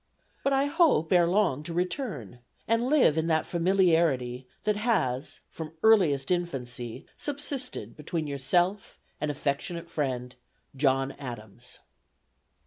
But I hope ere long to return, and live in that familiarity that has from earliest infancy subsisted between yourself and affectionate friend, "JOHN ADAMS."